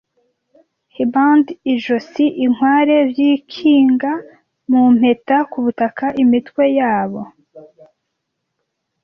He band- ijosi inkware vyikinga mu impeta ku butaka imitwe yabo,